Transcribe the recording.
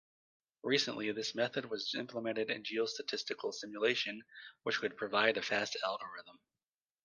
Recently, this method was implemented in geostatistical simulation which could provide a fast algorithm.